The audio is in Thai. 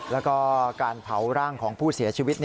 แล้วก็การเผาร่างของผู้เสียชีวิต